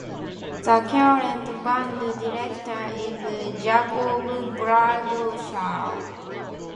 The current band director is Jacob Bradshaw.